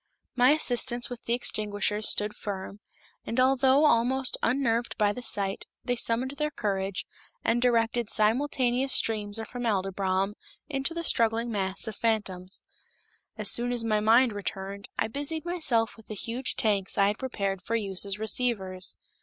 My assistants with the extinguishers stood firm, and although almost unnerved by the sight, they summoned their courage, and directed simultaneous streams of formaldybrom into the struggling mass of fantoms. As soon as my mind returned, I busied myself with the huge tanks I had prepared for use as receivers.